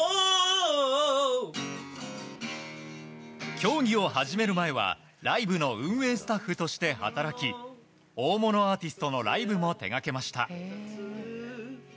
競技を始める前はライブの運営スタッフとして働き大物アーティストのライブも手がけました。